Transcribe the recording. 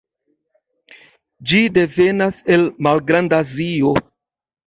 Ĝi devenas el Malgrand-Azio.